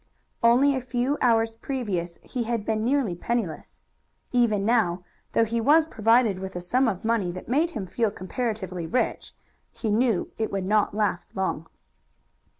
Only a few hours previous he had been nearly penniless. Even now, though he was provided with a sum of money that made him feel comparatively rich, he knew it would not last long.